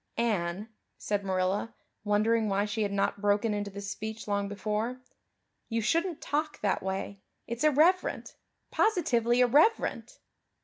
"Anne," said Marilla, wondering why she had not broken into this speech long before, "you shouldn't talk that way. It's irreverent positively irreverent."